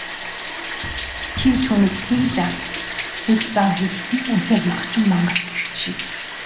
"Чи түүнийг тэгж ал" гэж заан хэлэлцэх нь үнэхээр махчин мангас гэгч шиг.